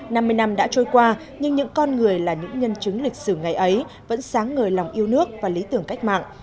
năm mươi năm đã trôi qua nhưng những con người là những nhân chứng lịch sử ngày ấy vẫn sáng ngời lòng yêu nước và lý tưởng cách mạng